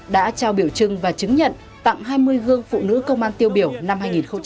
đã trao biểu trưng và chứng nhận tặng hai mươi gương phụ nữ công an tiêu biểu năm hai nghìn hai mươi ba